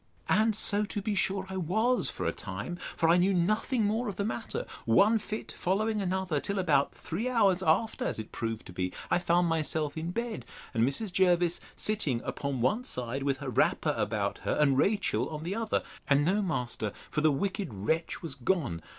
And so, to be sure, I was for a time; for I knew nothing more of the matter, one fit following another, till about three hours after, as it proved to be, I found myself in bed, and Mrs. Jervis sitting upon one side, with her wrapper about her, and Rachel on the other; and no master, for the wicked wretch was gone.